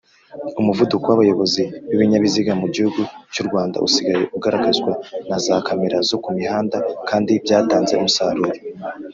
Umuvuduko w’abayobozi b’ibinyabiziga mu gihugu cy’U Rwanda usigaye ugaragazwa na za kamera zo kumihanda kandi byatanze umusaruro.